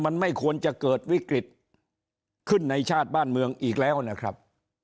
มันไม่ควรจะเกิดวิกฤตขึ้นในชาติบ้านเมืองอีกแล้วนะครับ